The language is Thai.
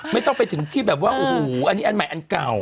ไม่ต้องไปถึงที่แบบว่าโอ้โหอันนี้อันใหม่อันเก่า